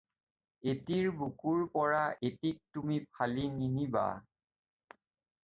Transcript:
এটিৰ বুকুৰ পৰা এটিক তুমি ফালি নিনিবাঁ।